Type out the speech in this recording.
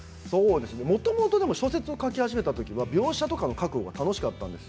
もともと小説を書き始めた時は、描写を書くのが楽しかったんです。